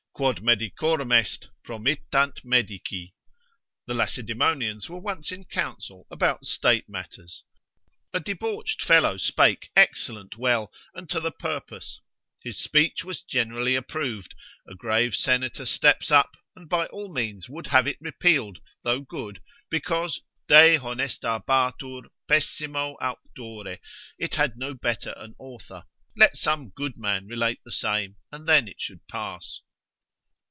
Quod medicorum est promittant medici. The Lacedaemonians were once in counsel about state matters, a debauched fellow spake excellent well, and to the purpose, his speech was generally approved: a grave senator steps up, and by all means would have it repealed, though good, because dehonestabatur pessimo auctore, it had no better an author; let some good man relate the same, and then it should pass.